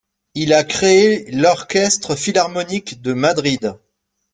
Il a créé l'Orchestre philharmonique de Madrid.